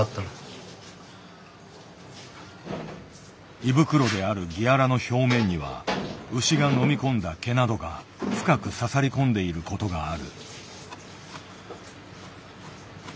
胃袋であるギアラの表面には牛が飲み込んだ毛などが深く刺さりこんでいることがある。